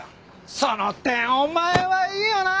その点お前はいいよな！